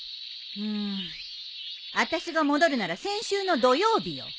うーんあたしが戻るなら先週の土曜日よ。